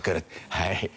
はい。